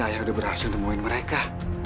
biar ayah sudah berhasil menemukan mereka